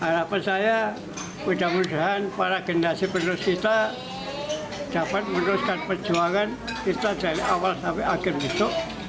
harapan saya mudah mudahan para generasi penerus kita dapat meneruskan perjuangan kita dari awal sampai akhir itu